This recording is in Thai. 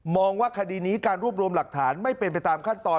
ว่าคดีนี้การรวบรวมหลักฐานไม่เป็นไปตามขั้นตอน